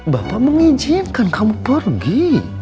bapak mengizinkan kamu pergi